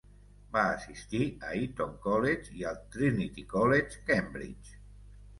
Va assistir a Eton College i al Trinity College, Cambridge.